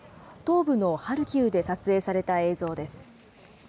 東部のハルキウで撮影された映像です。